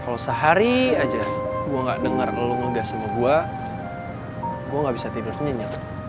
kalau sehari aja gua nggak denger lu ngegas sama gua gua nggak bisa tidur sendiri